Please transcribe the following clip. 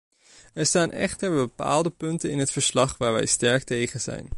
Er staan echter bepaalde punten in het verslag waar wij sterk tegen zijn.